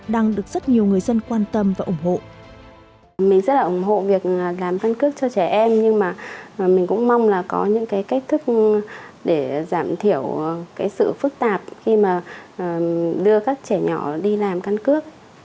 đang được rất nhiều người dân quan tâm và ủng hộ